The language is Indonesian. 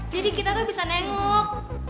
jadi kita tuh bisa nengok